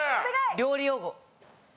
料理用語。